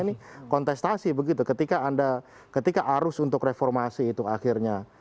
ini kontestasi begitu ketika anda ketika arus untuk reformasi itu akhirnya